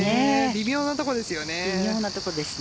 微妙なところですね。